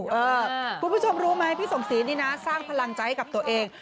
คุณผู้ชมรู้ไหมพี่สมศรีนี่นะสร้างพลังใจให้กับตัวเอง